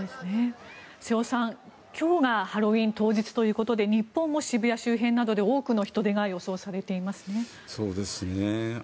瀬尾さん、今日がハロウィーン当日ということで日本も渋谷周辺などで多くの人出が予想されていますね。